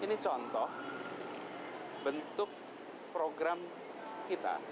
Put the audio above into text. ini contoh bentuk program kita